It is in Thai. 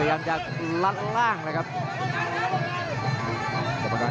อื้อหือจังหวะขวางแล้วพยายามจะเล่นงานด้วยซอกแต่วงใน